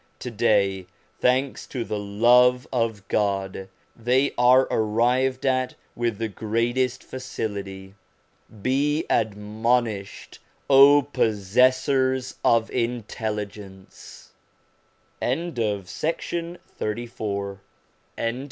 To day, thanks to the love of God, they are arrived at with the greatest facility. Be admonished, possessors of intelligence !/*\&'[ fUNM Printed by T. and A.